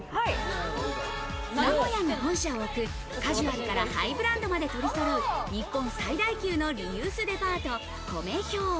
名古屋に本社を置く、カジュアルからハイブランドまで取りそろえ日本最大級のリユースデパート、ＫＯＭＥＨＹＯ。